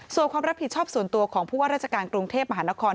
ส่วนความรับผิดชอบส่วนตัวของผู้ว่าราชการกรุงเทพมหานคร